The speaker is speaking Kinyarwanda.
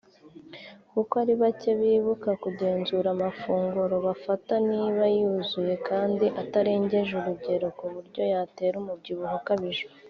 kuko ari bake bibuka kugenzura amafunguro bafata niba yuzuye kandi atarengeje urugero ku buryo yatera umubyibuho ukabije